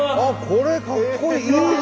これかっこいい！